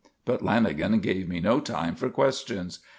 But Lanagan gave me no time for questions.